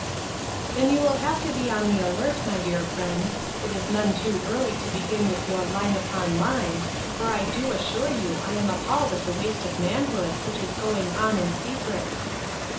"Then you will have to be on the alert, my dear friend ; it is none too early to begin with your 'line upon line, ' for I do assure you I am appalled at the waste of manhood which is going on in secret.